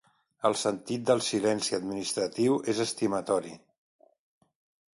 El sentit del silenci administratiu és estimatori.